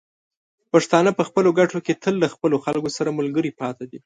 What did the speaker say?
پښتانه په خپلو ګټو کې تل له خپلو خلکو سره ملګري پاتې دي.